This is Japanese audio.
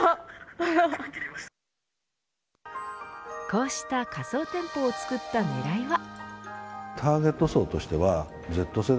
こうした仮想店舗を作った狙いは。